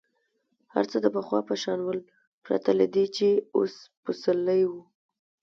هر څه د پخوا په شان ول پرته له دې چې اوس پسرلی وو.